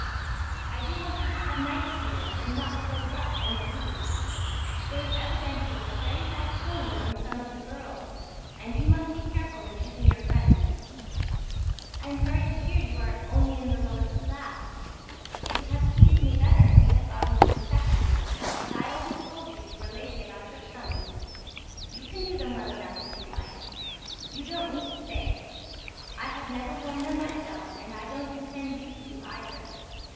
I DO WANT YOU TO HAVE NICE FEELINGS AND NOT GROW ROUGH AND RUDE. THERE IS EVIDENTLY A VERY BAD TONE AMONG SOME OF THE GIRLS AND YOU MUST BE CAREFUL IN CHOOSING YOUR FRIENDS. I AM SORRY TO HEAR YOU ARE ONLY IN THE LOWEST CLASS. IT WOULD HAVE PLEASED ME BETTER IF YOU HAD GOT INTO THE SECOND BUT I ALWAYS TOLD YOU YOU WERE LAZY ABOUT YOUR SUMS YOU CAN DO THEM WELL ENOUGH IF YOU LIKE. YOU DON'T NEED STAYS. I HAVE NEVER WORN THEM MYSELF AND I DON'T INTEND YOU TO EITHER.